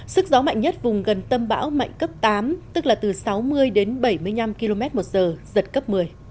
sức gió mạnh nhất vùng gần tâm bão mạnh cấp tám tức là từ sáu mươi đến bảy mươi năm km một giờ giật cấp một mươi